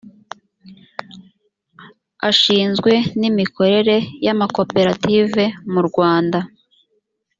ashinzwe n’imikorere y’amakoperative mu rwanda